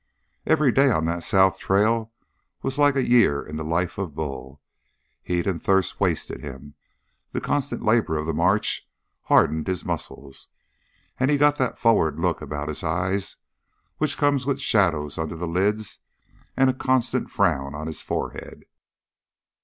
Every day on that south trail was like a year in the life of Bull. Heat and thirst wasted him, the constant labor of the march hardened his muscles, and he got that forward look about his eyes, which comes with shadows under the lids and a constant frown on the forehead.